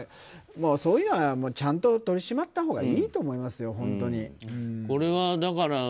そういうのはちゃんと取り締まったほうがいいと思いますよ。